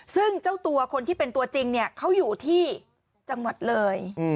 ซึ่งเจ้าตัวคนที่เป็นตัวจริงเนี่ยเขาอยู่ที่จังหวัดเลย